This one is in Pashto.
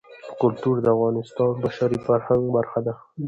کلتور د افغانستان د بشري فرهنګ برخه ده.